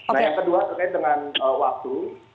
nah yang kedua terkait dengan waktu